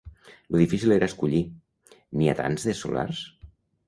Lo difícil era escollir. N'hi ha tants de solars